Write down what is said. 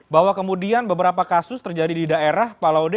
bahwa kemudian beberapa kasus terjadi di daerah pak laude